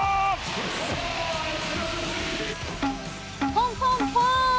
ポンポンポン！